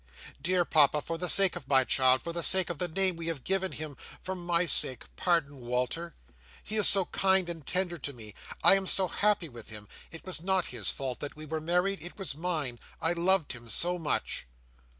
"Dear Papa, for the sake of my child, for the sake of the name we have given him, for my sake, pardon Walter. He is so kind and tender to me. I am so happy with him. It was not his fault that we were married. It was mine. I loved him so much."